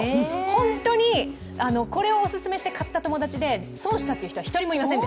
本当にこれをお薦めして買った友達で損したという人はいません。